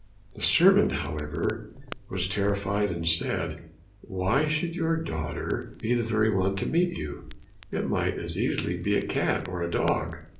The servant, however, was terrified and said, "Why should your daughter be the very one to meet you, it might as easily be a cat, or dog?"